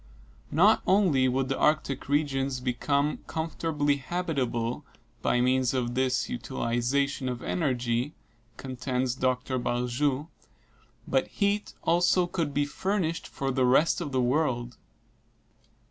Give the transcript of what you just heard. Not only would the Arctic regions become comfortably habitable by means of this utilization of energy, contends Dr. Barjou, but heat also could be furnished for the rest of the world.